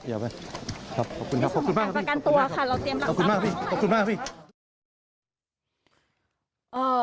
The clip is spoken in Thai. ครับขอบคุณครับขอบคุณมากครับพี่ขอบคุณมากครับพี่ขอบคุณมากครับพี่ขอบคุณมากครับพี่